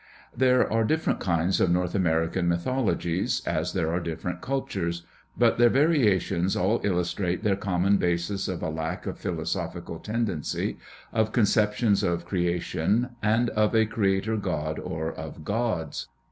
There are different kinds of North American mythologies, as there are different cultures. But their variations all illustrate their common basis of a lack of philosophical tend ency, of conceptions of creation, and of a creator god or of gods.